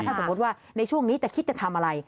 ถ้าสมมติว่าในช่วงนี้จะคิดจะทำอะไร